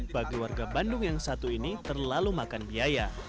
bagi warga bandung yang satu ini terlalu makan biaya